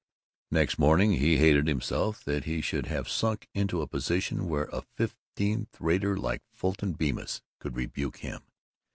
Next morning he hated himself that he should have sunk into a position where a fifteenth rater like Fulton Bemis could rebuke him.